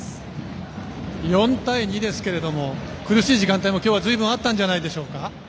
４対２ですが苦しい時間帯も今日はあったんじゃないでしょうか。